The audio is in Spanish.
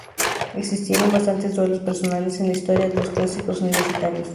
Existieron bastantes duelos personales en la historia de los Clásicos Universitarios.